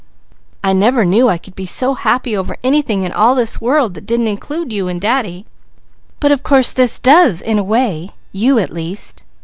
"I never knew I could be so happy over anything in all this world that didn't include you and Daddy. But of course this does in a way; you, at least.